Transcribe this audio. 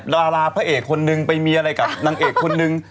ดาราพระเอกคนนึงไปมีอะไรกับนางเอกคนนึง